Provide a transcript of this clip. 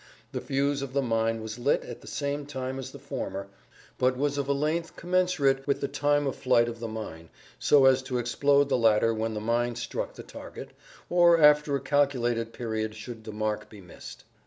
The fuse of the mine was lit at the same time as the former, but was of a length commensurate with the time of flight of the mine, so as to explode the latter when the mine struck the target, or after a calculated period should the mark be missed.